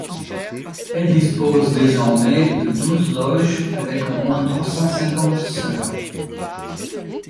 Elle dispose désormais de douze loges avec au moins trois cent cinquante sœurs.